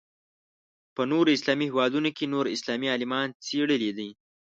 په نورو اسلامي هېوادونو کې نور اسلامي عالمانو څېړلې ده.